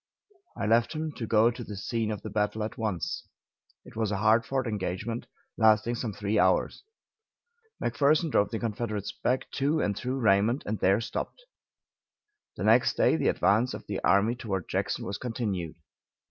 I left him to go to the scene of the battle at once. It was a hard fought engagement, lasting some three hours. McPherson drove the Confederates back to and through Raymond, and there stopped. The next day the advance of the army toward Jackson was continued.